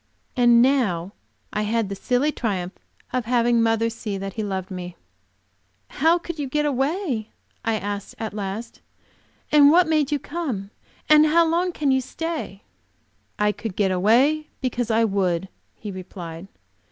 And now I had the silly triumph of having mother see that he loved me! "How could you get away?" I asked at last. "And what made you come? And how long can you stay?" "I could get away because I would," he replied.